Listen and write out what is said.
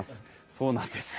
そうなんです。